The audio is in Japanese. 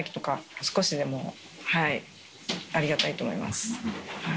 少しでもありがたいと思います。